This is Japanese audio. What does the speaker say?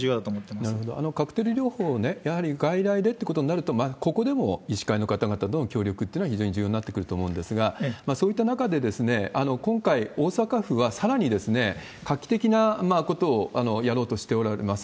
カクテル療法をやはり外来でってことになると、ここでも医師会の方々との協力というのが非常に重要になってくると思うんですが、そういった中で、今回、大阪府はさらに画期的なことをやろうとしておられます。